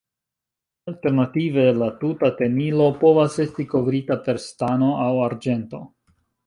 Alternative la tuta tenilo povas estis kovrita per stano aŭ arĝento.